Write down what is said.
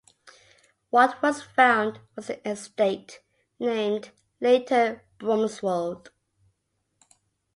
What was found was an estate named Leighton Bromswold.